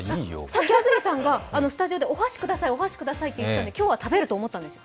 さっき安住さんが、スタジオでお箸ください、お箸くださいと言っていたんで今日は食べると思ったんです。